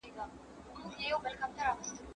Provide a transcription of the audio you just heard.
موږ په اصل او نسب سره خپلوان یو